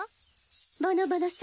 ぼのぼのさん